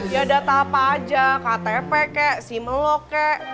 ya data apa aja ktp kek simelo kek